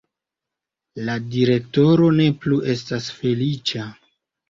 La direktoro ne plu estas feliĉa.